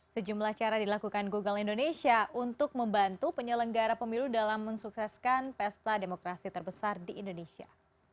sejumlah cara dilakukan google indonesia untuk membantu penyelenggara pemilu dalam mensukseskan pesta demokrasi terbesar di indonesia